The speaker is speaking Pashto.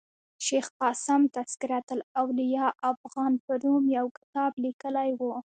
شېخ قاسم تذکرة الاولياء افغان په نوم یو کتاب لیکلی ؤ.